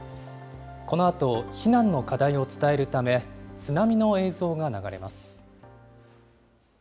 このあと避難の課題を伝えるため、津波の映像が流れます。